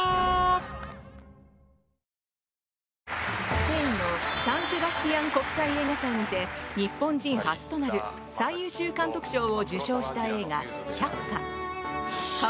スペインのサン・セバスティアン国際映画祭にて日本人初となる最優秀監督賞を受賞した映画「百花」。